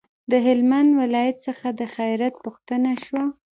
د هلمند ولایت څخه د خیریت پوښتنه شوه.